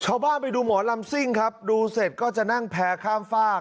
ชาวบ้านไปดูหมอลำซิ่งครับดูเสร็จก็จะนั่งแพ้ข้ามฝ้า